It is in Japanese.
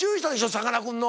さかなクンの。